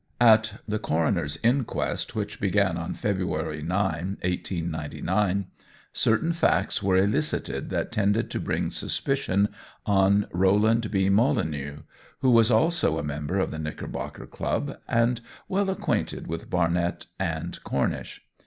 At the coroner's inquest, which began on February 9, 1899, certain facts were elicited that tended to bring suspicion on Roland B. Molineux, who was also a member of the Knickerbocker Club and well acquainted with Barnett and Cornish.